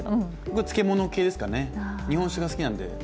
僕は漬物系ですかね、日本酒が好きなんで。